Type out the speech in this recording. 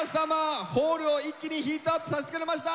ホールを一気にヒートアップさせてくれました。